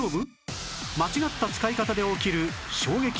間違った使い方で起きる衝撃映像